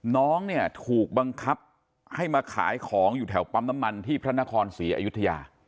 น้องเนี่ยถูกบังคับให้มาขายของอยู่แถวปั๊มน้ำมันที่พระนครศรีอยุธยา